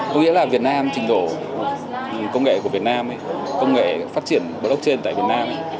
có nghĩa là việt nam trình độ công nghệ của việt nam công nghệ phát triển blockchain tại việt nam